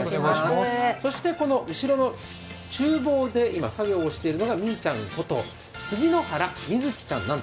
この後ろの厨房で今、作業をしているのがみいちゃんこと、杉之原みずきちゃん